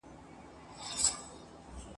تور دېوان د شپې راغلي د رڼا سر یې خوړلی ..